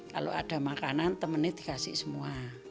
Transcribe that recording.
kalau ada makanan temennya dikasih semua